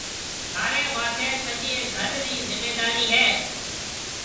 ٿاريَ ماٿي سجيَ گهر رِي زميندارِي هيَ۔